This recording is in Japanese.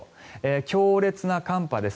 強烈な寒波です。